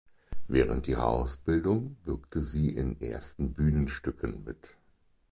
Während ihrer Ausbildung wirkte sie in ersten Bühnenstücken mit.